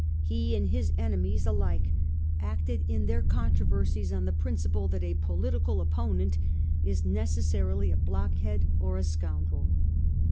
He and his enemies alike acted in their controversies on the principle that a political opponent is necessarily a blockhead or a scoundrel.